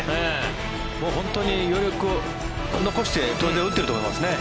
本当に余力を残して当然、打ってると思いますね。